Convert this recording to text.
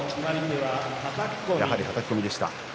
やはり、はたき込みでした。